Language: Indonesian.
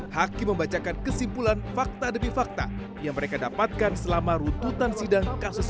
hakim membacakan kesimpulan fakta demi fakta yang mereka dapatkan selama rututan sidang kasus